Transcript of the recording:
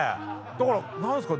だから何ですか？